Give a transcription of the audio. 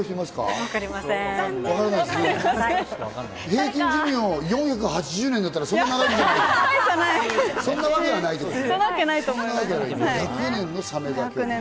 平均寿命が４８０年だったら、そんな長くないね。